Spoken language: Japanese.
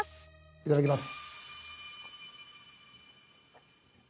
いただきます。